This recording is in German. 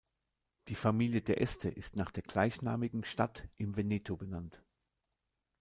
Die Familie d’Este ist nach der gleichnamigen Stadt im Veneto benannt.